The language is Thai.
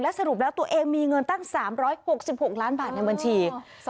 สรุปแล้วตัวเองมีเงินตั้ง๓๖๖ล้านบาทในบัญชี